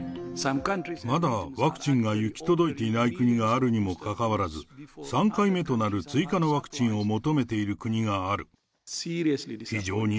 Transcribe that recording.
まだワクチンが行き届いていない国があるにもかかわらず、３回目となる追加のワクチンを求めている国がある。